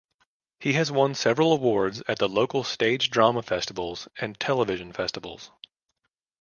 He has won several awards at the local stage drama festivals and television festivals.